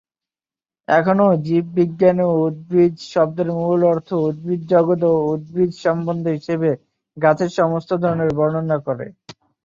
এখনও জীববিজ্ঞানে উদ্ভিজ্জ শব্দের মূল অর্থ "উদ্ভিদ জগৎ" এবং "উদ্ভিজ্জ সমন্ধে" হিসাবে, গাছের সমস্ত ধরনের বর্ণনা করে।